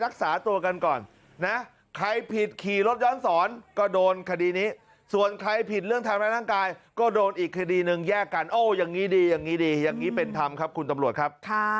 คนใครผิดเรื่องทำงานร่างกายก็โดนอีกคดีหนึ่งแยกกันโอ้อย่างนี้ดีอย่างนี้ดีอย่างนี้เป็นธรรมครับคุณตำรวจครับ